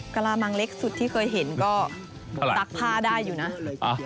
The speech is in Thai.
กระลามังเล็กสุดที่เคยเห็นก็ซักผ้าได้อยู่นะ